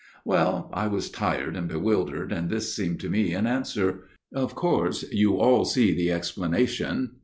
" Well, I was tired and bewildered, and this seemed to me an answer. Of course you all see the explanation."